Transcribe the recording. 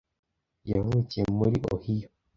Yavukiye muri Ohio